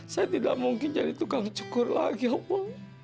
saya tidak mungkin jadi tukang cukur lagi allah